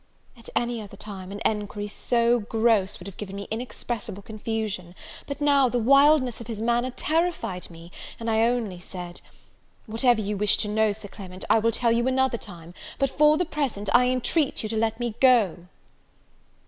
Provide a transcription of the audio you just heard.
At any other time, an enquiry so gross would have given me inexpressible confusion; but now, the wildness of his manner terrified me, and I only said, "Whatever you wish to know, Sir Clement, I will tell you another time; but, for the present, I entreat you to let me go!"